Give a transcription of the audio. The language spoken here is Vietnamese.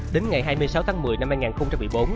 đến ngày hai mươi sáu tháng một mươi năm hai nghìn một mươi bốn